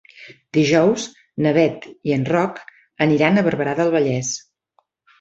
Dijous na Beth i en Roc aniran a Barberà del Vallès.